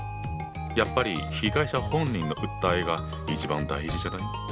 やっぱり被害者本人の訴えが一番大事じゃない？